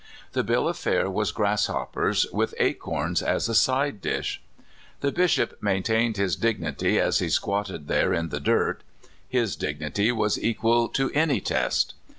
The bill of fare was grasshoppers, with acorns as a side dish. The Bishop maintained his dignity as he squatted there in the dirt — his dig nity was equal to any test.